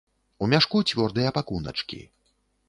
У мяшку цвёрдыя пакуначкі.